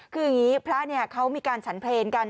คืออย่างนี้พระเขามีการฉันเพลงกัน